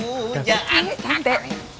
udah masuk kamu